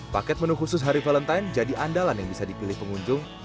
paket menu khusus hari valentine jadi andalan yang bisa dipilih pengunjung